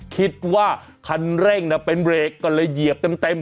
คิดว่าคันเร่งเป็นเบรกก็เลยเหยียบเต็ม